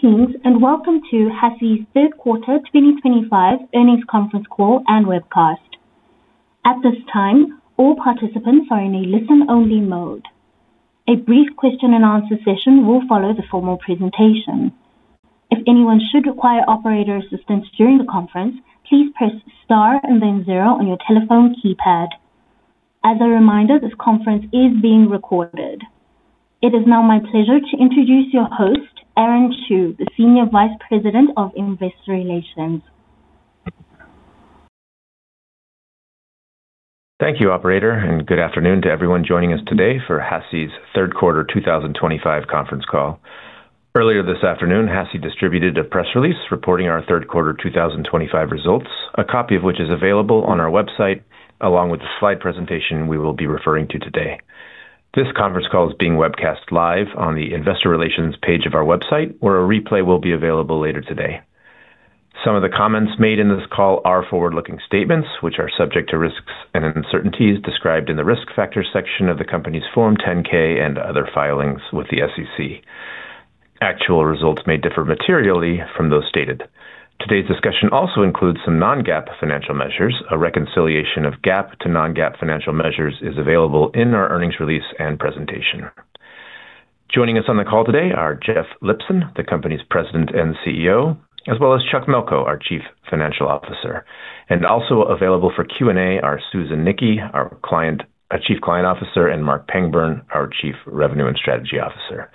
Greetings and welcome to HASI's Third Quarter 2025 Earnings Conference Call and Webcast. At this time, all participants are in a listen-only mode. A brief question-and-answer session will follow the formal presentation. If anyone should require operator assistance during the conference, please press star and then zero on your telephone keypad. As a reminder, this conference is being recorded. It is now my pleasure to introduce your host, Aaron Chew, the Senior Vice President of Investor Relations. Thank you, Operator, and good afternoon to everyone joining us today for HASI's third quarter 2025 conference call. Earlier this afternoon, HASI distributed a press release reporting our third quarter 2025 results, a copy of which is available on our website along with the slide presentation we will be referring to today. This conference call is being webcast live on the Investor Relations page of our website, where a replay will be available later today. Some of the comments made in this call are forward-looking statements, which are subject to risks and uncertainties described in the risk factor section of the company's Form 10-K and other filings with the SEC. Actual results may differ materially from those stated. Today's discussion also includes some non-GAAP financial measures. A reconciliation of GAAP to non-GAAP financial measures is available in our earnings release and presentation. Joining us on the call today are Jeff Lipson, the company's President and CEO, as well as Chuck Melko, our Chief Financial Officer. Also available for Q&A are Susan Nickey, our Chief Client Officer, and Marc Pangburn, our Chief Revenue and Strategy Officer.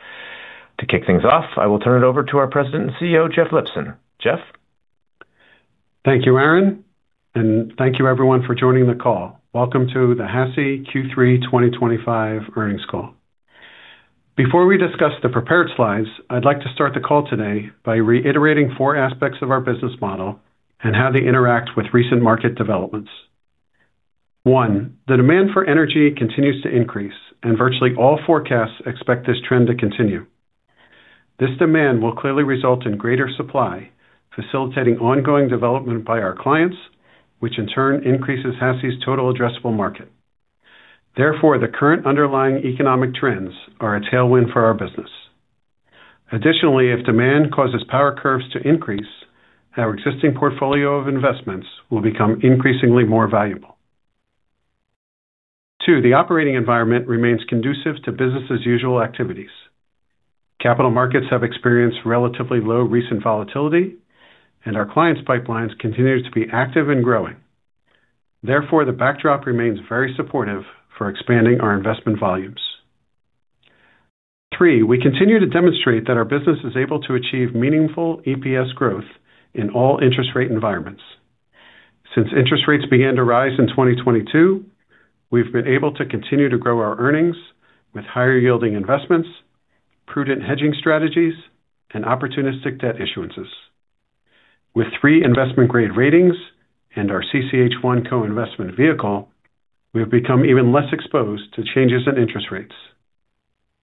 To kick things off, I will turn it over to our President and CEO, Jeff Lipson. Jeff? Thank you, Aaron, and thank you everyone for joining the call. Welcome to the HASI Q3 2025 Earnings Call. Before we discuss the prepared slides, I'd like to start the call today by reiterating four aspects of our business model and how they interact with recent market developments. One, the demand for energy continues to increase, and virtually all forecasts expect this trend to continue. This demand will clearly result in greater supply, facilitating ongoing development by our clients, which in turn increases HASI total addressable market. Therefore, the current underlying economic trends are a tailwind for our business. Additionally, if demand causes power curves to increase, our existing portfolio of investments will become increasingly more valuable. Two, the operating environment remains conducive to business-as-usual activities. Capital markets have experienced relatively low recent volatility, and our clients' pipelines continue to be active and growing. Therefore, the backdrop remains very supportive for expanding our investment volumes. Three, we continue to demonstrate that our business is able to achieve meaningful EPS growth in all interest rate environments. Since interest rates began to rise in 2022, we've been able to continue to grow our earnings with higher-yielding investments, prudent hedging strategies, and opportunistic debt issuances. With three investment-grade ratings and our CCH1 co-investment vehicle, we've become even less exposed to changes in interest rates.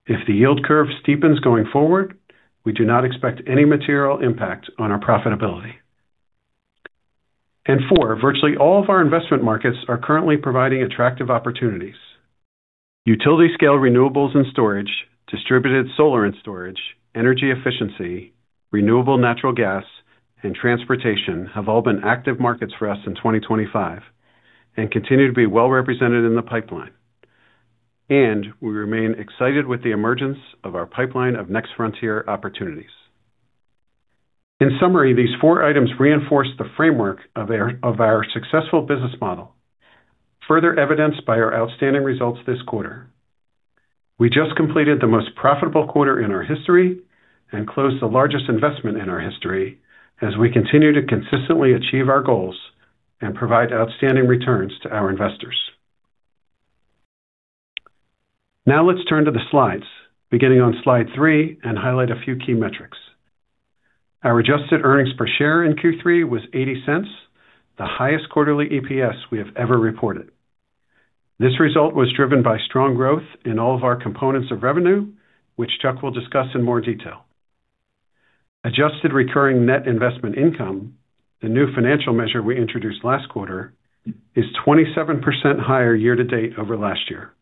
If the yield curve steepens going forward, we do not expect any material impact on our profitability. Four, virtually all of our investment markets are currently providing attractive opportunities. Utility-scale renewables and storage, distributed solar and storage, energy efficiency, renewable natural gas, and transportation have all been active markets for us in 2025. We continue to be well represented in the pipeline. We remain excited with the emergence of our pipeline of next frontier opportunities. In summary, these four items reinforce the framework of our successful business model, further evidenced by our outstanding results this quarter. We just completed the most profitable quarter in our history and closed the largest investment in our history as we continue to consistently achieve our goals and provide outstanding returns to our investors. Now let's turn to the slides, beginning on slide three and highlight a few key metrics. Our adjusted earnings per share in Q3 was $0.80, the highest quarterly EPS we have ever reported. This result was driven by strong growth in all of our components of revenue, which Chuck will discuss in more detail. Adjusted recurring net investment income, the new financial measure we introduced last quarter, is 27% higher year-to-date over last year.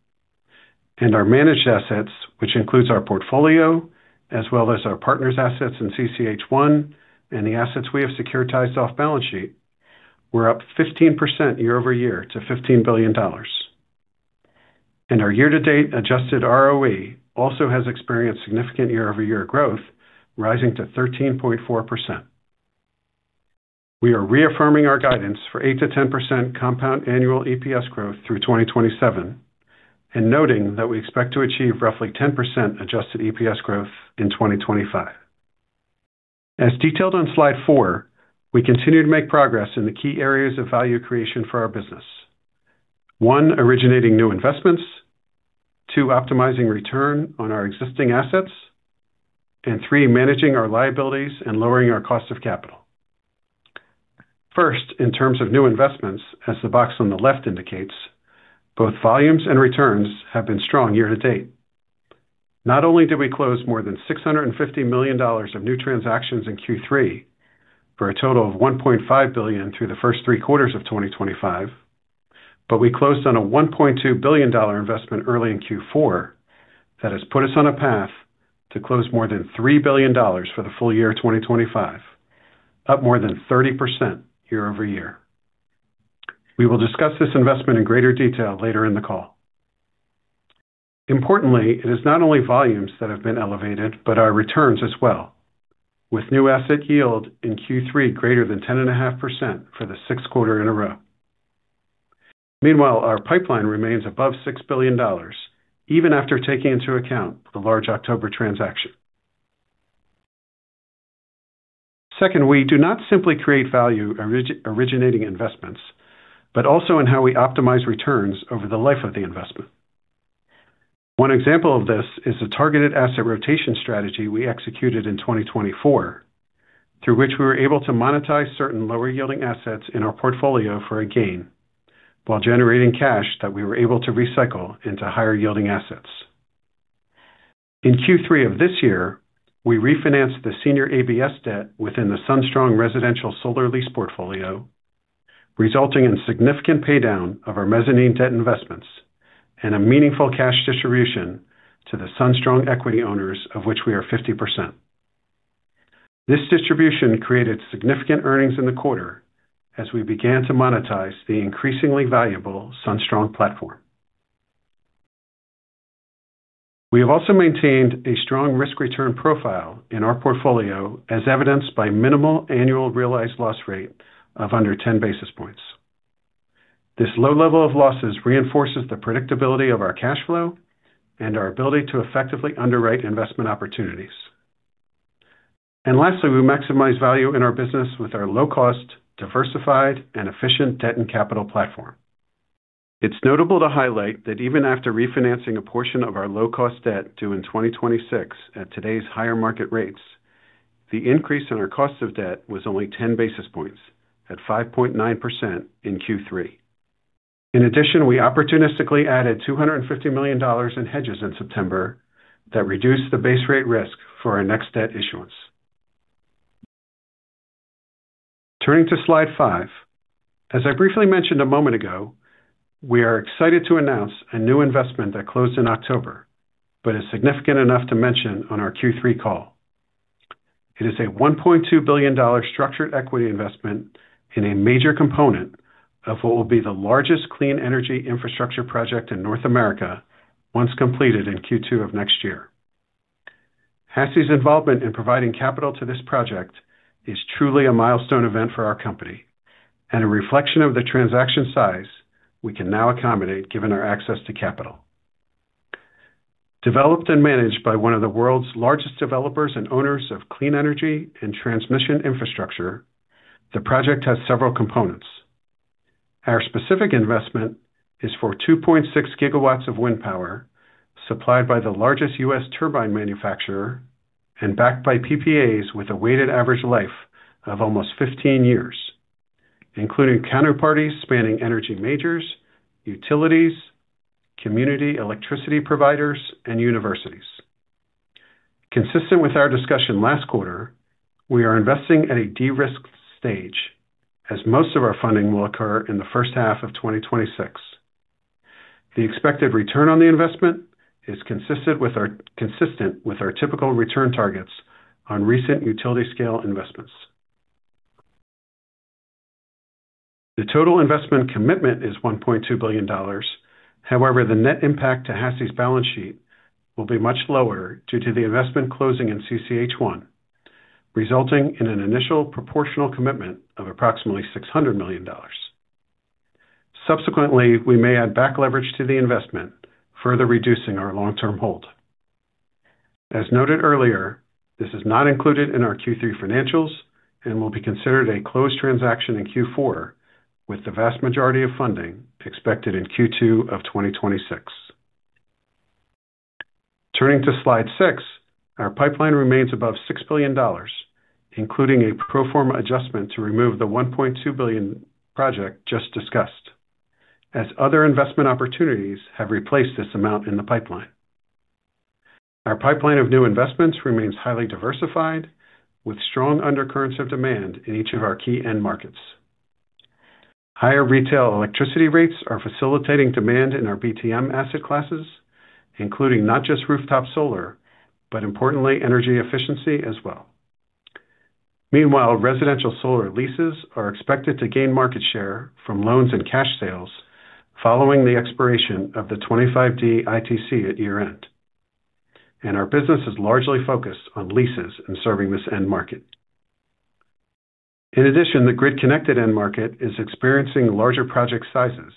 Our managed assets, which includes our portfolio as well as our partner's assets in CCH1 and the assets we have securitized off-balance sheet, were up 15% year-over-year to $15 billion. Our year-to-date adjusted ROE also has experienced significant year-over-year growth, rising to 13.4%. We are reaffirming our guidance for 8%-10% compound annual EPS growth through 2027. We expect to achieve roughly 10% adjusted EPS growth in 2025. As detailed on slide four, we continue to make progress in the key areas of value creation for our business. One, originating new investments, two, optimizing return on our existing assets, and three, managing our liabilities and lowering our cost of capital. First, in terms of new investments, as the box on the left indicates, both volumes and returns have been strong year-to-date. Not only did we close more than $650 million of new transactions in Q3, for a total of $1.5 billion through the first three quarters of 2025, but we closed on a $1.2 billion investment early in Q4 that has put us on a path to close more than $3 billion for the full year of 2025, up more than 30% year-over-year. We will discuss this investment in greater detail later in the call. Importantly, it is not only volumes that have been elevated, but our returns as well, with new asset yield in Q3 greater than 10.5% for the sixth quarter in a row. Meanwhile, our pipeline remains above $6 billion, even after taking into account the large October transaction. Second, we do not simply create value originating investments, but also in how we optimize returns over the life of the investment. One example of this is a targeted asset rotation strategy we executed in 2024, through which we were able to monetize certain lower-yielding assets in our portfolio for a gain while generating cash that we were able to recycle into higher-yielding assets. In Q3 of this year, we refinanced the senior ABS debt within the SunStrong residential solar lease portfolio, resulting in significant paydown of our mezzanine debt investments and a meaningful cash distribution to the SunStrong equity owners, of which we are 50%. This distribution created significant earnings in the quarter as we began to monetize the increasingly valuable SunStrong platform. We have also maintained a strong risk-return profile in our portfolio, as evidenced by minimal annual realized loss rate of under 10 basis points. This low level of losses reinforces the predictability of our cash flow and our ability to effectively underwrite investment opportunities. Lastly, we maximize value in our business with our low-cost, diversified, and efficient debt and capital platform. It is notable to highlight that even after refinancing a portion of our low-cost debt due in 2026 at today's higher market rates, the increase in our cost of debt was only 10 basis points at 5.9% in Q3. In addition, we opportunistically added $250 million in hedges in September that reduced the base rate risk for our next debt issuance. Turning to slide five, as I briefly mentioned a moment ago, we are excited to announce a new investment that closed in October, but is significant enough to mention on our Q3 call. It is a $1.2 billion structured equity investment in a major component of what will be the largest clean energy infrastructure project in North America once completed in Q2 of next year. HASI involvement in providing capital to this project is truly a milestone event for our company and a reflection of the transaction size we can now accommodate given our access to capital. Developed and managed by one of the world's largest developers and owners of clean energy and transmission infrastructure, the project has several components. Our specific investment is for 2.6 GW of wind power supplied by the largest U.S. turbine manufacturer and backed by PPAs with a weighted average life of almost 15 years, including counterparties spanning energy majors, utilities, community electricity providers, and universities. Consistent with our discussion last quarter, we are investing at a de-risked stage as most of our funding will occur in the first half of 2026. The expected return on the investment is consistent with our typical return targets on recent utility-scale investments. The total investment commitment is $1.2 billion. However, the net impact to HASI's balance sheet will be much lower due to the investment closing in CCH1, resulting in an initial proportional commitment of approximately $600 million. Subsequently, we may add back leverage to the investment, further reducing our long-term hold. As noted earlier, this is not included in our Q3 financials and will be considered a closed transaction in Q4 with the vast majority of funding expected in Q2 of 2026. Turning to slide six, our pipeline remains above $6 billion, including a pro forma adjustment to remove the $1.2 billion project just discussed, as other investment opportunities have replaced this amount in the pipeline. Our pipeline of new investments remains highly diversified with strong undercurrents of demand in each of our key end markets. Higher retail electricity rates are facilitating demand in our BTM asset classes, including not just rooftop solar, but importantly, energy efficiency as well. Meanwhile, residential solar leases are expected to gain market share from loans and cash sales following the expiration of the 25D ITC at year-end. Our business is largely focused on leases and serving this end market. In addition, the grid-connected end market is experiencing larger project sizes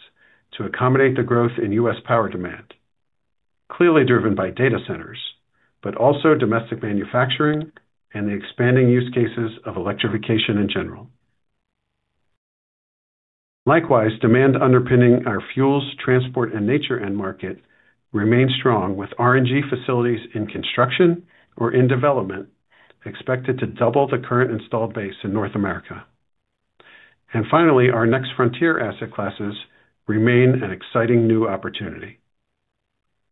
to accommodate the growth in U.S. Power demand, clearly driven by data centers, but also domestic manufacturing and the expanding use cases of electrification in general. Likewise, demand underpinning our fuels, transport, and nature end market remains strong with RNG facilities in construction or in development expected to double the current installed base in North America. Finally, our next frontier asset classes remain an exciting new opportunity.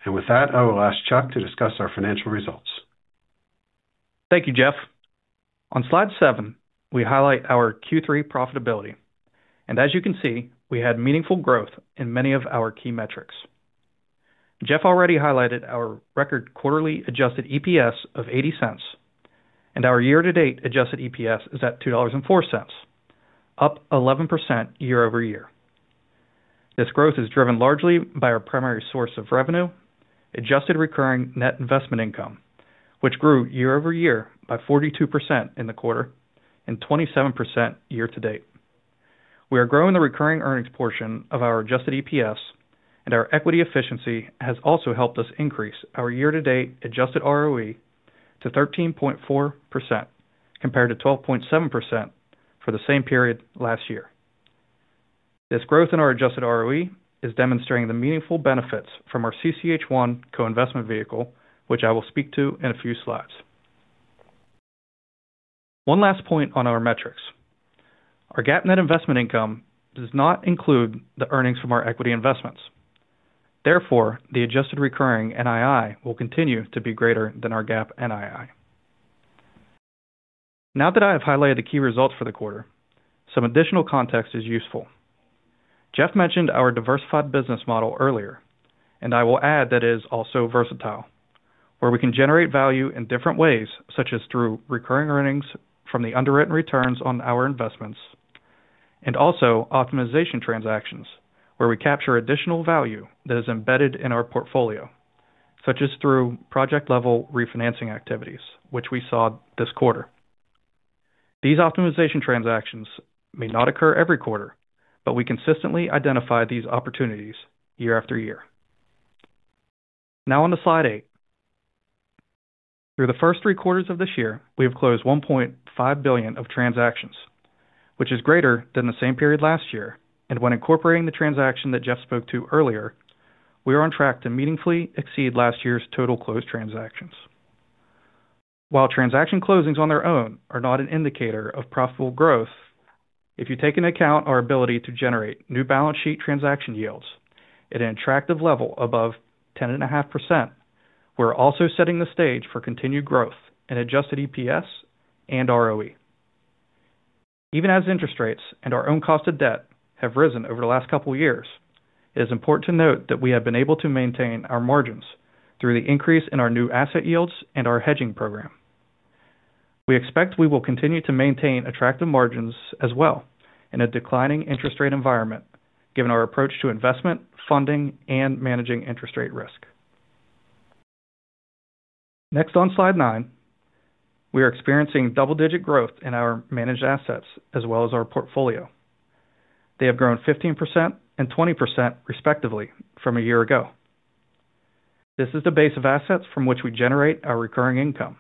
With that, I will ask Chuck to discuss our financial results. Thank you, Jeff. On slide seven, we highlight our Q3 profitability. As you can see, we had meaningful growth in many of our key metrics. Jeff already highlighted our record quarterly adjusted EPS of $0.80, and our year-to-date adjusted EPS is at $2.04, up 11% year-over-year. This growth is driven largely by our primary source of revenue, adjusted recurring net investment income, which grew year-over-year by 42% in the quarter and 27% year-to-date. We are growing the recurring earnings portion of our adjusted EPS, and our equity efficiency has also helped us increase our year-to-date adjusted ROE to 13.4% compared to 12.7% for the same period last year. This growth in our adjusted ROE is demonstrating the meaningful benefits from our CCH1 co-investment vehicle, which I will speak to in a few slides. One last point on our metrics. Our GAAP net investment income does not include the earnings from our equity investments. Therefore, the adjusted recurring NII will continue to be greater than our GAAP NII. Now that I have highlighted the key results for the quarter, some additional context is useful. Jeff mentioned our diversified business model earlier, and I will add that it is also versatile, where we can generate value in different ways, such as through recurring earnings from the underwritten returns on our investments, and also optimization transactions, where we capture additional value that is embedded in our portfolio, such as through project-level refinancing activities, which we saw this quarter. These optimization transactions may not occur every quarter, but we consistently identify these opportunities year after year. Now on to slide eight. Through the first three quarters of this year, we have closed $1.5 billion of transactions, which is greater than the same period last year. When incorporating the transaction that Jeff spoke to earlier, we are on track to meaningfully exceed last year's total closed transactions. While transaction closings on their own are not an indicator of profitable growth, if you take into account our ability to generate new balance sheet transaction yields at an attractive level above 10.5%, we are also setting the stage for continued growth in adjusted EPS and ROE. Even as interest rates and our own cost of debt have risen over the last couple of years, it is important to note that we have been able to maintain our margins through the increase in our new asset yields and our hedging program. We expect we will continue to maintain attractive margins as well in a declining interest rate environment, given our approach to investment, funding, and managing interest rate risk. Next, on slide nine, we are experiencing double-digit growth in our managed assets as well as our portfolio. They have grown 15% and 20% respectively from a year ago. This is the base of assets from which we generate our recurring income.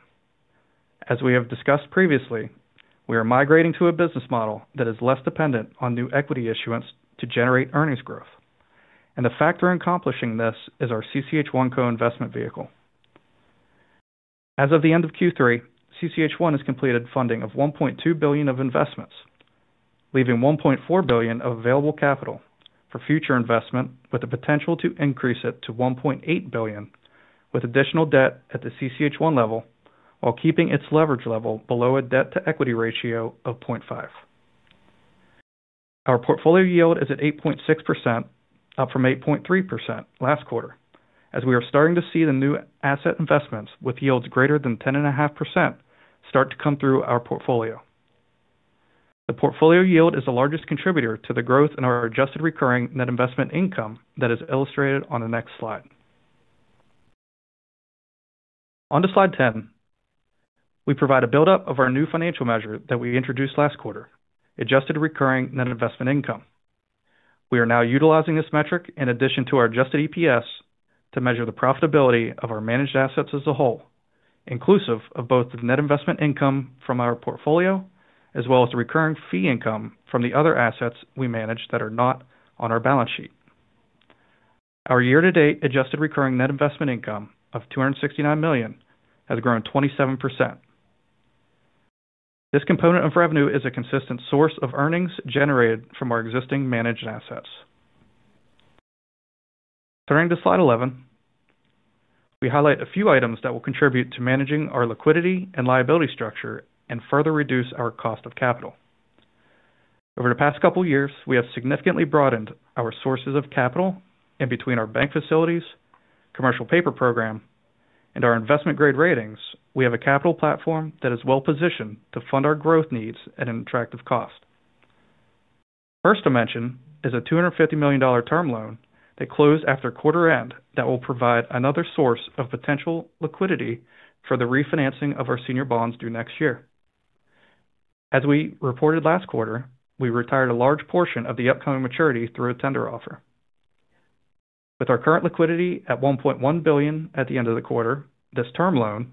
As we have discussed previously, we are migrating to a business model that is less dependent on new equity issuance to generate earnings growth. The factor in accomplishing this is our CCH1 co-investment vehicle. As of the end of Q3, CCH1 has completed funding of $1.2 billion of investments, leaving $1.4 billion of available capital for future investment with the potential to increase it to $1.8 billion with additional debt at the CCH1 level while keeping its leverage level below a debt-to-equity ratio of 0.5. Our portfolio yield is at 8.6%, up from 8.3% last quarter, as we are starting to see the new asset investments with yields greater than 10.5% start to come through our portfolio. The portfolio yield is the largest contributor to the growth in our adjusted recurring net investment income that is illustrated on the next slide. On to slide 10. We provide a build-up of our new financial measure that we introduced last quarter, adjusted recurring net investment income. We are now utilizing this metric in addition to our adjusted EPS to measure the profitability of our managed assets as a whole, inclusive of both the net investment income from our portfolio as well as the recurring fee income from the other assets we manage that are not on our balance sheet. Our year-to-date adjusted recurring net investment income of $269 million has grown 27%. This component of revenue is a consistent source of earnings generated from our existing managed assets. Turning to slide 11. We highlight a few items that will contribute to managing our liquidity and liability structure and further reduce our cost of capital. Over the past couple of years, we have significantly broadened our sources of capital in between our bank facilities, commercial paper program, and our investment-grade ratings. We have a capital platform that is well-positioned to fund our growth needs at an attractive cost. The first to mention is a $250 million term loan that closed after quarter-end that will provide another source of potential liquidity for the refinancing of our senior bonds due next year. As we reported last quarter, we retired a large portion of the upcoming maturity through a tender offer. With our current liquidity at $1.1 billion at the end of the quarter, this term loan,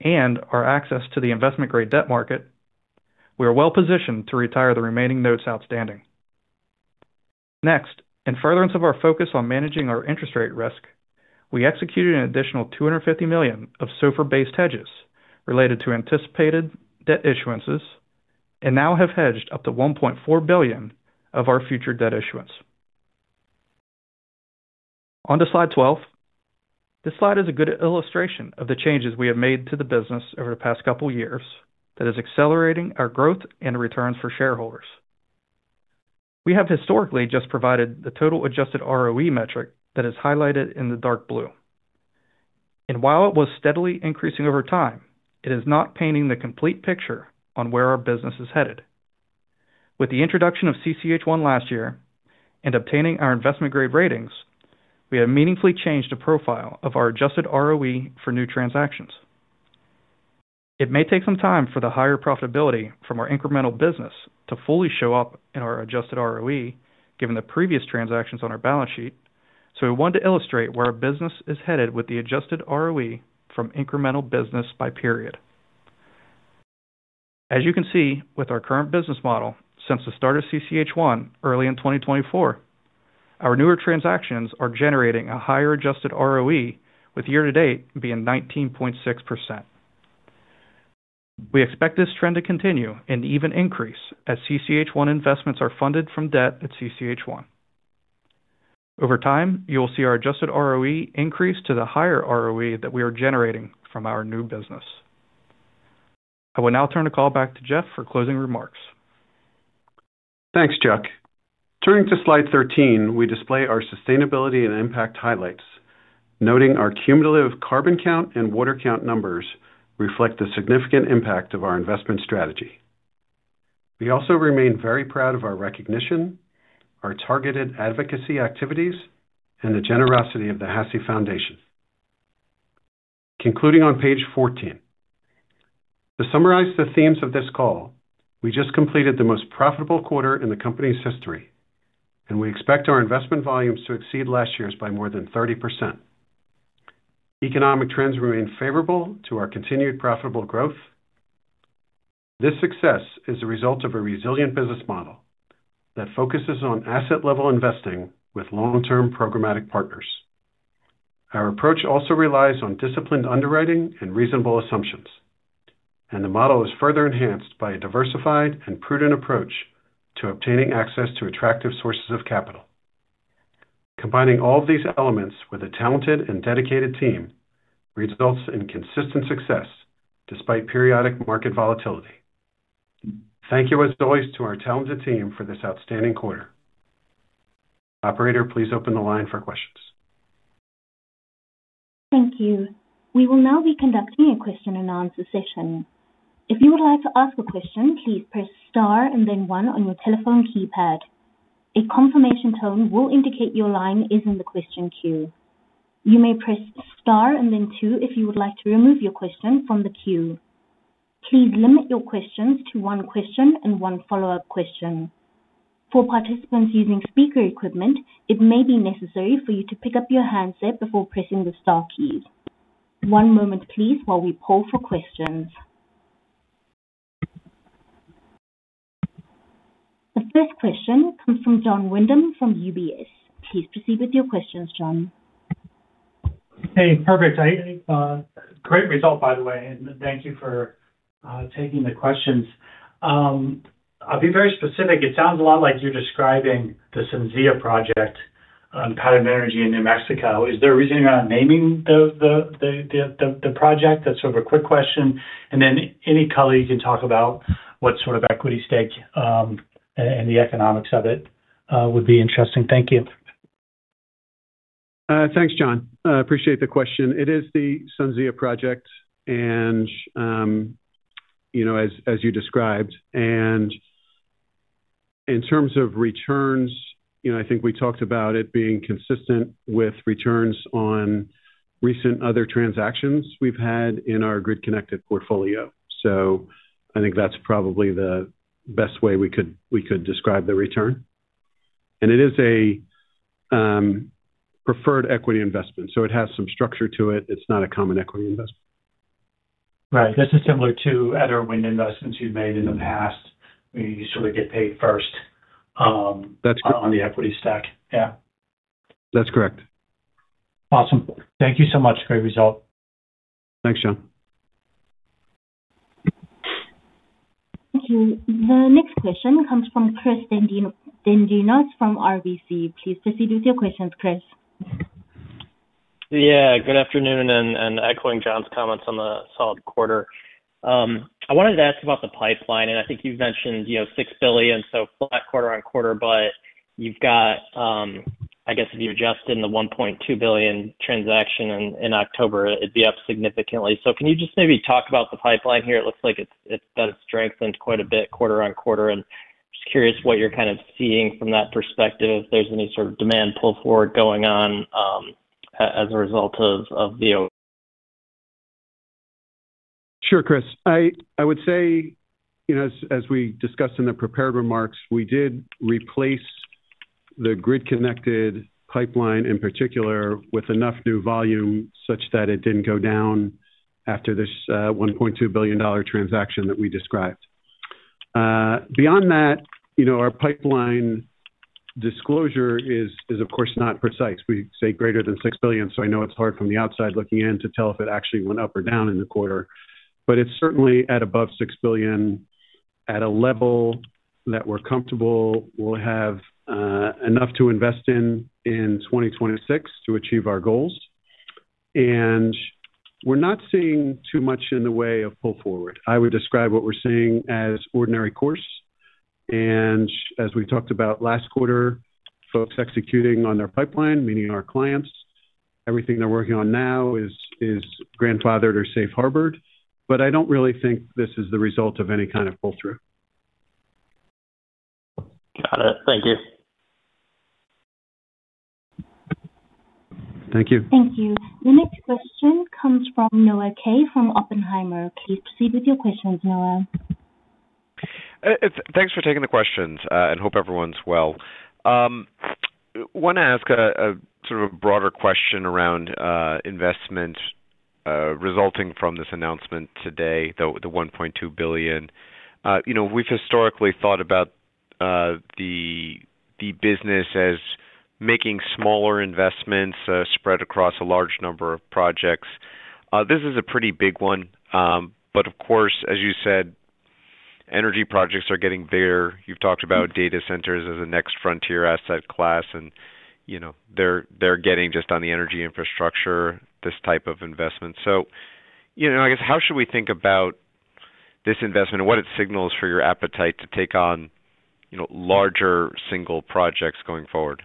and our access to the investment-grade debt market, we are well-positioned to retire the remaining notes outstanding. Next, in furtherance of our focus on managing our interest rate risk, we executed an additional $250 million of SOFR-based hedges related to anticipated debt issuances and now have hedged up to $1.4 billion of our future debt issuance. On to slide 12. This slide is a good illustration of the changes we have made to the business over the past couple of years that is accelerating our growth and returns for shareholders. We have historically just provided the total adjusted ROE metric that is highlighted in the dark blue. While it was steadily increasing over time, it is not painting the complete picture on where our business is headed. With the introduction of CCH1 last year and obtaining our investment-grade ratings, we have meaningfully changed the profile of our adjusted ROE for new transactions. It may take some time for the higher profitability from our incremental business to fully show up in our adjusted ROE, given the previous transactions on our balance sheet. We want to illustrate where our business is headed with the adjusted ROE from incremental business by period. As you can see with our current business model since the start of CCH1 early in 2024, our newer transactions are generating a higher adjusted ROE, with year-to-date being 19.6%. We expect this trend to continue and even increase as CCH1 investments are funded from debt at CCH1. Over time, you will see our adjusted ROE increase to the higher ROE that we are generating from our new business. I will now turn the call back to Jeff for closing remarks. Thanks, Chuck. Turning to slide 13, we display our sustainability and impact highlights, noting our cumulative carbon count and water count numbers reflect the significant impact of our investment strategy. We also remain very proud of our recognition, our targeted advocacy activities, and the generosity of the HASI Foundation. Concluding on page 14. To summarize the themes of this call, we just completed the most profitable quarter in the company's history, and we expect our investment volumes to exceed last year's by more than 30%. Economic trends remain favorable to our continued profitable growth. This success is the result of a resilient business model that focuses on asset-level investing with long-term programmatic partners. Our approach also relies on disciplined underwriting and reasonable assumptions, and the model is further enhanced by a diversified and prudent approach to obtaining access to attractive sources of capital. Combining all of these elements with a talented and dedicated team results in consistent success despite periodic market volatility. Thank you, as always, to our talented team for this outstanding quarter. Operator, please open the line for questions. Thank you. We will now be conducting a question-and-answer session. If you would like to ask a question, please press star and then one on your telephone keypad. A confirmation tone will indicate your line is in the question queue. You may press star and then two if you would like to remove your question from the queue. Please limit your questions to one question and one follow-up question. For participants using speaker equipment, it may be necessary for you to pick up your handset before pressing the star keys. One moment, please, while we poll for questions. The first question comes from John Windham from UBS. Please proceed with your questions, John. Hey, perfect. Great result, by the way. Thank you for taking the questions. I'll be very specific. It sounds a lot like you're describing the SunZia project on Pattern Energy in New Mexico. Is there a reason you're not naming the project? That's sort of a quick question. Any color you can talk about what sort of equity stake and the economics of it would be interesting. Thank you. Thanks, John. I appreciate the question. It is the SunZia project, as you described. In terms of returns, I think we talked about it being consistent with returns on recent other transactions we've had in our grid-connected portfolio. I think that's probably the best way we could describe the return. It is a preferred equity investment, so it has some structure to it. It's not a common equity investment. Right. This is similar to other wind investments you've made in the past. We sort of get paid first. That's correct. On the equity stack. Yeah. That's correct. Awesome. Thank you so much. Great result. Thanks, John. Thank you. The next question comes from Chris Dendrinos from RBC. Please proceed with your questions, Chris. Yeah. Good afternoon and echoing John's comments on the solid quarter. I wanted to ask about the pipeline. I think you've mentioned $6 billion, so flat quarter on quarter. You've got, I guess, if you adjusted the $1.2 billion transaction in October, it'd be up significantly. Can you just maybe talk about the pipeline here? It looks like it's been strengthened quite a bit quarter on quarter. I'm just curious what you're kind of seeing from that perspective. If there's any sort of demand pull forward going on as a result of the. Sure, Chris. I would say. As we discussed in the prepared remarks, we did replace the grid-connected pipeline in particular with enough new volume such that it did not go down after this $1.2 billion transaction that we described. Beyond that, our pipeline disclosure is, of course, not precise. We say greater than $6 billion. I know it is hard from the outside looking in to tell if it actually went up or down in the quarter. It is certainly at above $6 billion at a level that we are comfortable we will have enough to invest in in 2026 to achieve our goals. We are not seeing too much in the way of pull forward. I would describe what we are seeing as ordinary course. As we talked about last quarter, folks executing on their pipeline, meaning our clients, everything they are working on now is grandfathered or safe harbored. I don't really think this is the result of any kind of pull-through. Got it. Thank you. Thank you. Thank you. The next question comes from Noah Kaye from Oppenheimer. Please proceed with your questions, Noah. Thanks for taking the questions. I hope everyone's well. I want to ask a sort of a broader question around investment resulting from this announcement today, the $1.2 billion. We've historically thought about the business as making smaller investments spread across a large number of projects. This is a pretty big one. Of course, as you said, energy projects are getting bigger. You've talked about data centers as a next frontier asset class. They're getting just on the energy infrastructure, this type of investment. I guess, how should we think about this investment and what it signals for your appetite to take on larger single projects going forward?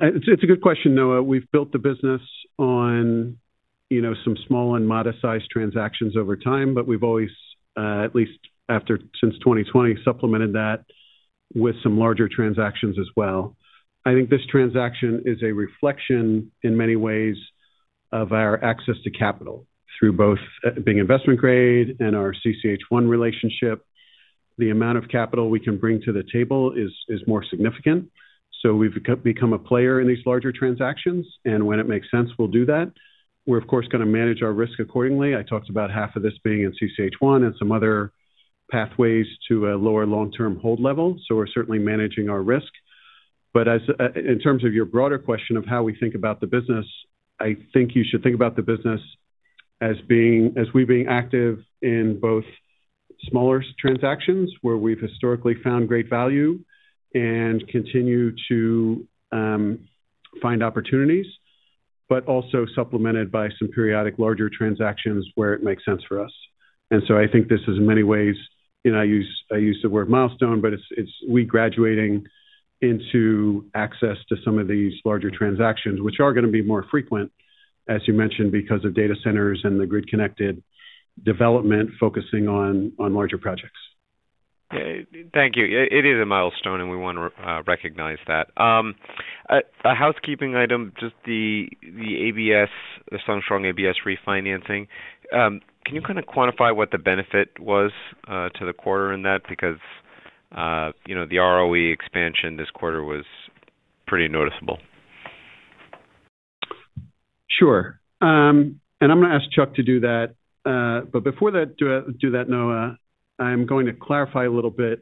It's a good question, Noah. We've built the business on some small and modest-sized transactions over time, but we've always, at least since 2020, supplemented that with some larger transactions as well. I think this transaction is a reflection in many ways of our access to capital through both being investment-grade and our CCH1 relationship. The amount of capital we can bring to the table is more significant. We've become a player in these larger transactions. When it makes sense, we'll do that. We're, of course, going to manage our risk accordingly. I talked about half of this being in CCH1 and some other pathways to a lower long-term hold level. We're certainly managing our risk. In terms of your broader question of how we think about the business, I think you should think about the business as we being active in both. Smaller transactions where we've historically found great value and continue to find opportunities, but also supplemented by some periodic larger transactions where it makes sense for us. I think this is, in many ways, and I use the word milestone, but it's we graduating into access to some of these larger transactions, which are going to be more frequent, as you mentioned, because of data centers and the grid-connected development focusing on larger projects. Yeah. Thank you. It is a milestone, and we want to recognize that. A housekeeping item, just the SunStrong ABS refinancing. Can you kind of quantify what the benefit was to the quarter in that? Because the ROE expansion this quarter was pretty noticeable. Sure. I'm going to ask Chuck to do that. Before I do that, Noah, I'm going to clarify a little bit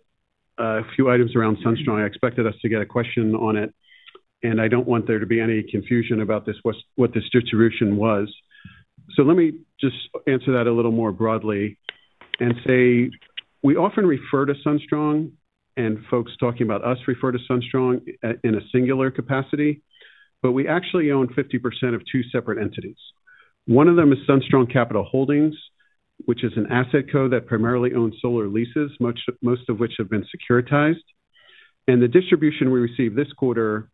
a few items around SunStrong. I expected us to get a question on it. I don't want there to be any confusion about what this distribution was. Let me just answer that a little more broadly and say we often refer to SunStrong, and folks talking about us refer to SunStrong in a singular capacity. We actually own 50% of two separate entities. One of them is SunStrong Capital Holdings, which is an asset co that primarily owns solar leases, most of which have been securitized. The distribution we received this quarter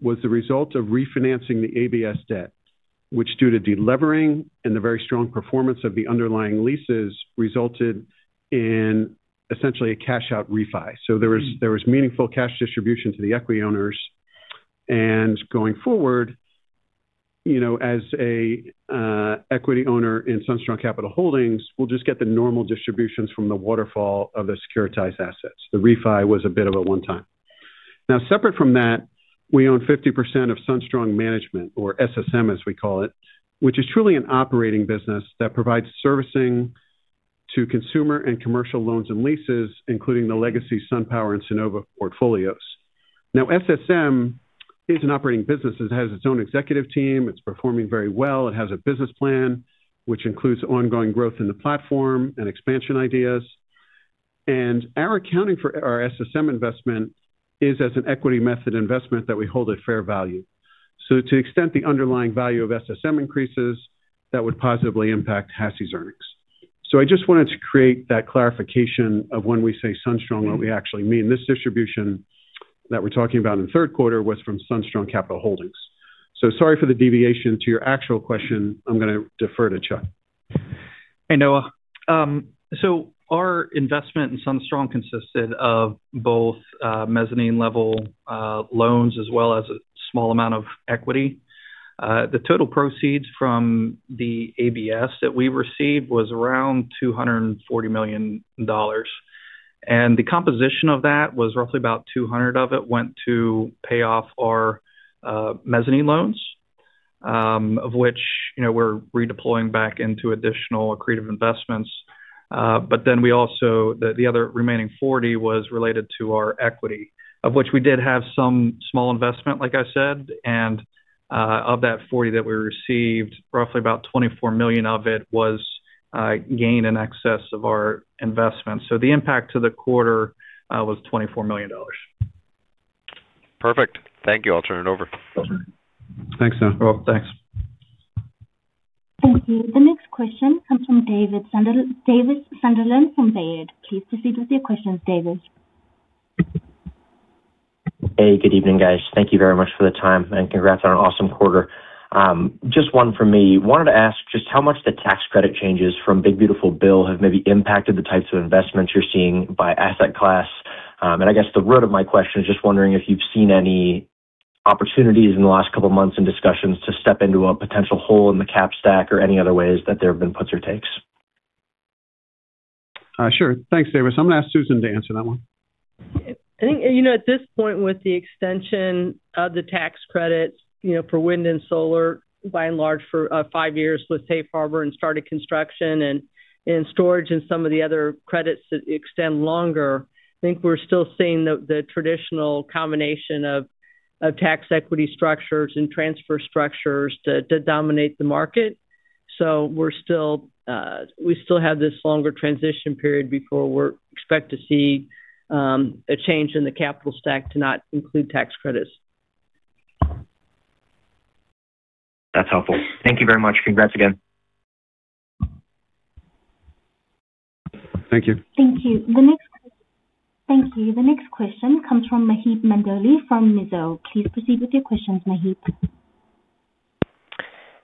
was the result of refinancing the ABS debt, which, due to delevering and the very strong performance of the underlying leases, resulted in essentially a cash-out refi. There was meaningful cash distribution to the equity owners. Going forward, as an equity owner in SunStrong Capital Holdings, we'll just get the normal distributions from the waterfall of the securitized assets. The refi was a bit of a one-time. Now, separate from that, we own 50% of SunStrong Management, or SSM, as we call it, which is truly an operating business that provides servicing to consumer and commercial loans and leases, including the legacy SunPower and Sunnova portfolios. SSM is an operating business. It has its own executive team. It's performing very well. It has a business plan, which includes ongoing growth in the platform and expansion ideas. Our accounting for our SSM investment is as an equity method investment that we hold at fair value. To the extent the underlying value of SSM increases, that would positively impact HASI's earnings. I just wanted to create that clarification of when we say SunStrong, what we actually mean. This distribution that we're talking about in the third quarter was from SunStrong Capital Holdings. Sorry for the deviation to your actual question. I'm going to defer to Chuck. Hey, Noah. Our investment in SunStrong consisted of both mezzanine-level loans as well as a small amount of equity. The total proceeds from the ABS that we received was around $240 million. The composition of that was roughly about $200 million of it went to pay off our mezzanine loans, of which we're redeploying back into additional accretive investments. We also, the other remaining $40 million, was related to our equity, of which we did have some small investment, like I said. Of that $40 million that we received, roughly about $24 million of it was. Gain in excess of our investment. The impact to the quarter was $24 million. Perfect. Thank you. I'll turn it over. Thanks, John. Well, thanks. Thank you. The next question comes from David Sunderland from Baird. Please proceed with your questions, David. Hey, good evening, guys. Thank you very much for the time. Congrats on an awesome quarter. Just one for me. I wanted to ask just how much the tax credit changes from Big Beautiful Bill have maybe impacted the types of investments you're seeing by asset class. I guess the root of my question is just wondering if you've seen any opportunities in the last couple of months in discussions to step into a potential hole in the cap stack or any other ways that there have been puts or takes. Sure. Thanks, David. I'm going to ask Susan to answer that one. I think at this point, with the extension of the tax credits for wind and solar, by and large, for five years with Safe Harbor and started construction and storage and some of the other credits to extend longer, I think we're still seeing the traditional combination of tax equity structures and transfer structures to dominate the market. We still have this longer transition period before we're expecting to see a change in the capital stack to not include tax credits. That's helpful. Thank you very much. Congrats again. Thank you. Thank you. The next question comes from Maheep Mandloi from Mizuho. Please proceed with your questions, Maheep.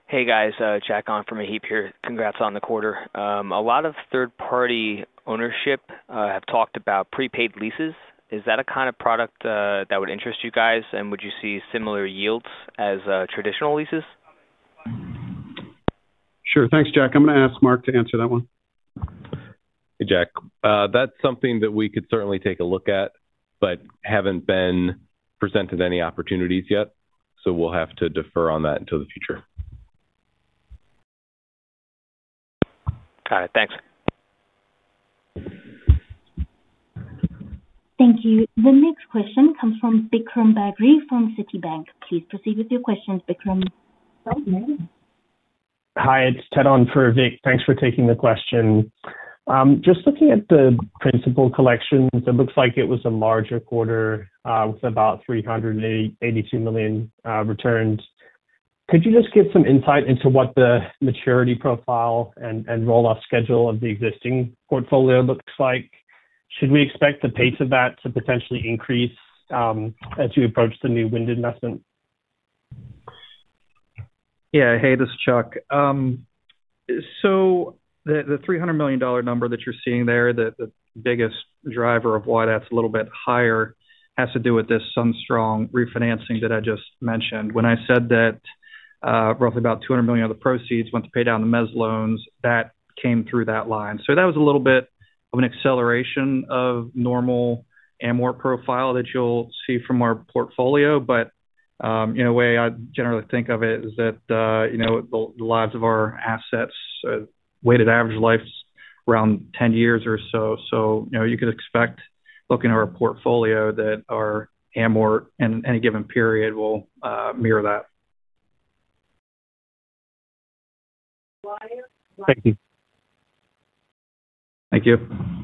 Hey, guys. Jack on from Maheep here. Congrats on the quarter. A lot of third-party ownership have talked about prepaid leases. Is that a kind of product that would interest you guys, and would you see similar yields as traditional leases? Sure. Thanks, Jack. I'm going to ask Marc to answer that one. Hey, Jack. That is something that we could certainly take a look at, but have not been presented any opportunities yet. We will have to defer on that until the future. Got it. Thanks. Thank you. The next question comes from Vikram Bagri from Citibank. Please proceed with your questions, Vikram. Hi, it's Ted on for Vic. Thanks for taking the question. Just looking at the principal collections, it looks like it was a larger quarter with about $382 million returns. Could you just give some insight into what the maturity profile and rollout schedule of the existing portfolio looks like? Should we expect the pace of that to potentially increase as you approach the new wind investment? Yeah. Hey, this is Chuck. So the $300 million number that you're seeing there, the biggest driver of why that's a little bit higher, has to do with this SunStrong refinancing that I just mentioned. When I said that, roughly about $200 million of the proceeds went to pay down the mez loans, that came through that line. That was a little bit of an acceleration of normal amor profile that you'll see from our portfolio. In a way, I generally think of it as that. The lives of our assets, weighted average life is around 10 years or so. You could expect, looking at our portfolio, that our amor in any given period will mirror that. Thank you. Thank you.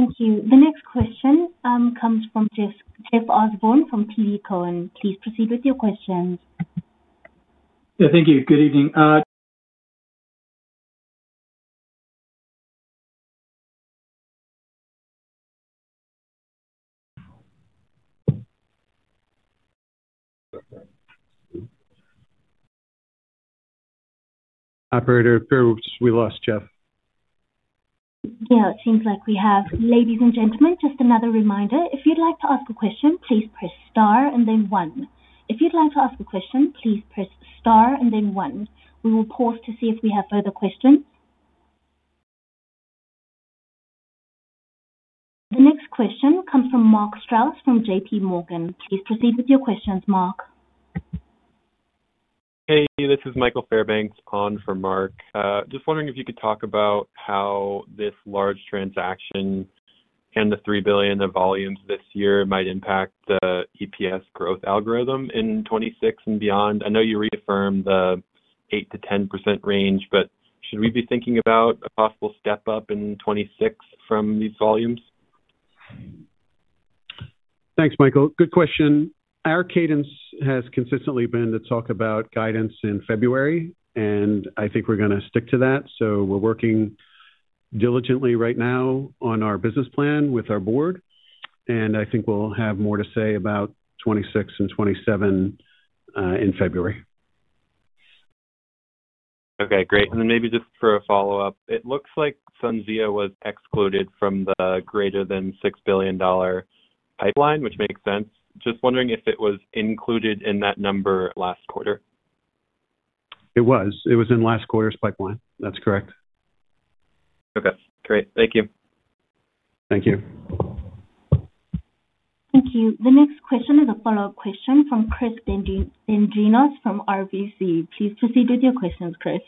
Thank you. The next question comes from Jeff Osborne from TD Cowen. Please proceed with your questions. Yeah. Thank you. Good evening. Operator, we lost Jeff. Yeah. It seems like we have. Ladies and gentlemen, just another reminder. If you'd like to ask a question, please press star and then one. We will pause to see if we have further questions. The next question comes from Mark Strauss from JPMorgan. Please proceed with your questions, Mark. Hey, this is Michael Fairbanks, pawn for Mark. Just wondering if you could talk about how this large transaction and the $3 billion of volumes this year might impact the EPS growth algorithm in 2026 and beyond. I know you reaffirmed the 8-10% range, but should we be thinking about a possible step up in 2026 from these volumes? Thanks, Michael. Good question. Our cadence has consistently been to talk about guidance in February. I think we're going to stick to that. We're working diligently right now on our business plan with our board. I think we'll have more to say about 2026 and 2027 in February. Okay. Great. Maybe just for a follow-up, it looks like SunZia was excluded from the greater than $6 billion pipeline, which makes sense. Just wondering if it was included in that number last quarter. It was. It was in last quarter's pipeline. That's correct. Okay. Great. Thank you. Thank you. Thank you. The next question is a follow-up question from Chris Dendrinos from RBC. Please proceed with your questions, Chris.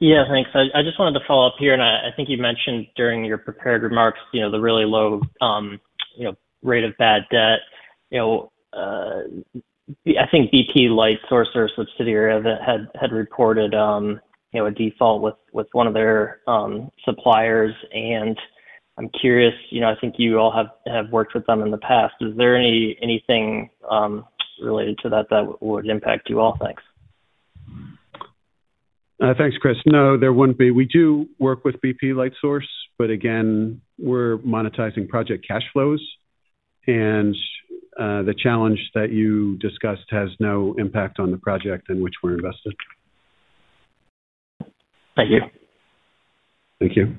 Yeah. Thanks. I just wanted to follow up here. I think you mentioned during your prepared remarks the really low rate of bad debt. I think BP Lightsource, our subsidiary, had reported a default with one of their suppliers. I'm curious, I think you all have worked with them in the past. Is there anything related to that that would impact you all? Thanks. Thanks, Chris. No, there wouldn't be. We do work with BP Lightsource, but again, we're monetizing project cash flows. The challenge that you discussed has no impact on the project in which we're invested. Thank you. Thank you.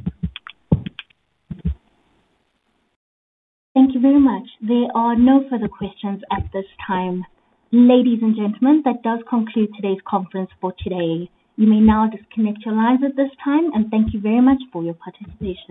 Thank you very much. There are no further questions at this time. Ladies and gentlemen, that does conclude today's conference for today. You may now disconnect your lines at this time. Thank you very much for your participation.